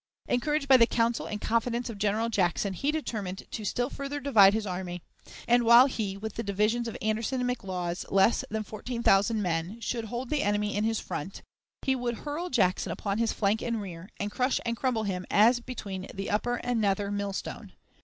Encouraged by the counsel and confidence of General Jackson, he determined to still further divide his army; and, while he, with the divisions of Anderson and McLaws, less than fourteen thousand men, should hold the enemy in his front, he would hurl Jackson upon his flank and rear, and crush and crumble him as between the upper and nether millstone.